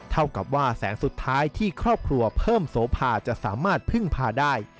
เท่ากับว่าแสงสุดท้ายที่ครอบครัวเพิ่มโสภาจะสามารถพึ่งพาได้